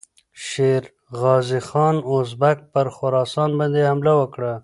شېرغازي خان اوزبک پر خراسان باندې حمله وکړه.